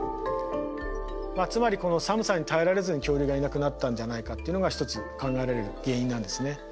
つまりこの寒さに耐えられずに恐竜がいなくなったんじゃないかっていうのが一つ考えられる原因なんですね。